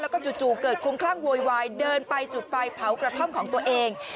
แล้วก็จู่เกิดคุ้มคลั่งโวยวายเดินไปจุดไฟเผากระท่อมของตัวเอง